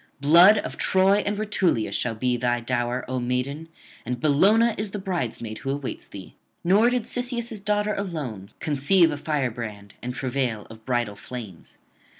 Blood of Troy and Rutulia shall be thy dower, O maiden, and Bellona is the bridesmaid who awaits thee. Nor did Cisseus' daughter alone conceive a firebrand and travail of bridal flames.